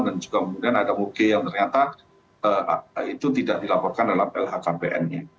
dan juga kemudian ada muge yang ternyata itu tidak dilaporkan dalam lhkpn nya